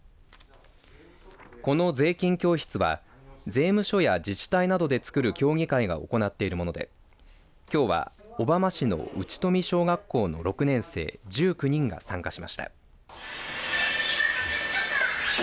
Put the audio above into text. この税金教室は税務署や自治体などでつくる協議会が行っているものできょうは小浜市の内外海小学校の６年生１９人が参加しました。